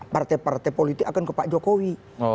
partai partai politik akan ke pak jokowi